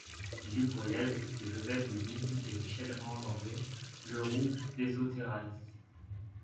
Il eut pour élèves de Joseph de Guignes et Michel-Ange-André Le Roux Deshauterayes.